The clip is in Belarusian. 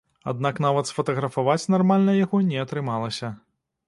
Аднак нават сфатаграфаваць нармальна яго не атрымалася.